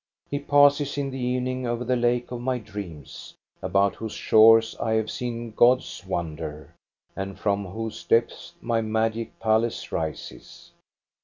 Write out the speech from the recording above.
He passes in the evening over the lake of my dreams, about whose shores I have seen gods wander, and from whose depths my magic palace rises.